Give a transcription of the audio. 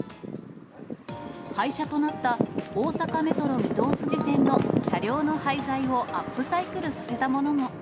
廃車となった大阪メトロ御堂筋線の車両の廃材をアップサイクルさせたものも。